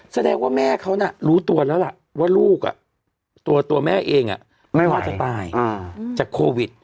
แสดงว่าแม่เขาน่ะรู้ตัวแล้วล่ะว่าลูกตัวแม่เองไม่น่าจะตายจากโควิด